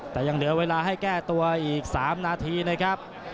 แต่ยังเหลือเวลาให้แก้ตัวอีก๓นาทีนะครับ